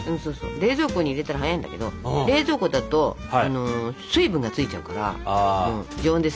冷蔵庫に入れたら早いんだけど冷蔵庫だと水分がついちゃうから常温です。